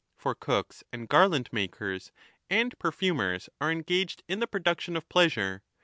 For cooks and garland makers and perfumers re engaged in the production of pleasure.